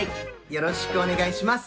よろしくお願いします。